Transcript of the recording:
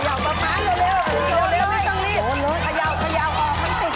ขย่าวมาเร็วเร็วเร็ว